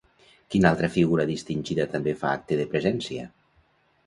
Quina altra figura distingida també fa acte de presència?